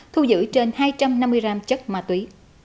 thu giữ trên hai trăm năm mươi gram chất ma túy